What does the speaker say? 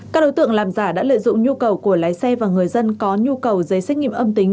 các đối tượng làm giả đã lợi dụng nhu cầu của lái xe và người dân có nhu cầu giấy xét nghiệm âm tính